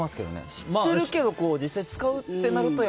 知ってるけど実際に使うとなると。